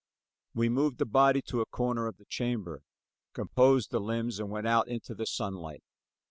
We moved the body to a corner of the chamber, composed the limbs and went out into the sunlight.